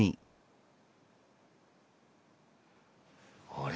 あれ？